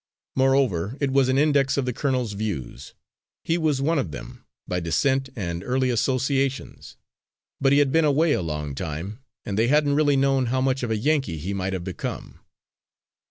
Moreover, it was an index of the colonel's views. He was one of them, by descent and early associations, but he had been away a long time, and they hadn't really known how much of a Yankee he might have become.